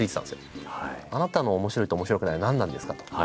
あなたの面白いと面白くないは何なんですか？と。